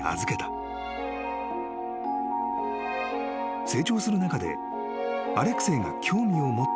［成長する中でアレクセイが興味を持ったもの］